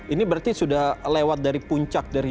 ini berarti sudah lewat dari puncak dari